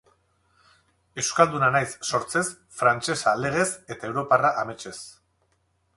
Euskalduna naiz sortzez, frantsesa legez, eta europarra ametsez.